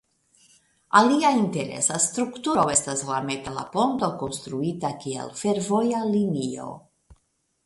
Alia interesa strukturo estas la metala ponto konstruita kiel fervoja linio.